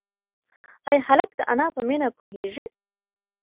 ایا هلک د انا په مینه پوهېږي؟